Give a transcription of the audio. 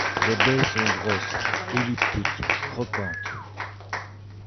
Les baies sont grosses, elliptiques, croquantes.